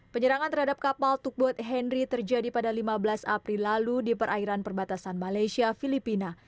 penyerangan terhadap kapal tukboat henry terjadi pada lima belas april lalu di perairan perbatasan malaysia filipina